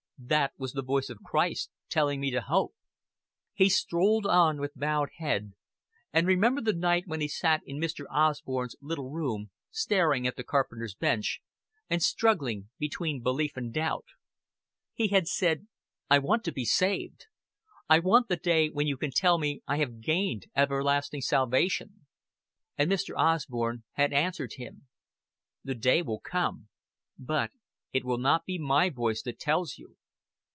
"That was the voice of Christ telling me to hope." He strolled on with bowed head, and remembered the night when he sat in Mr. Osborn's little room, staring at the carpenter's bench, and struggling between belief and doubt. He had said: "I want to be saved. I want the day when you can tell me I have gained everlasting salvation." And Mr. Osborn had answered him: "The day will come; but it will not be my voice that tells you."